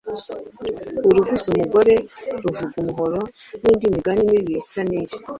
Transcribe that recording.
Uruvuze umugore ruvuga umuhoro” n’indi migani mibi isa n’iyo.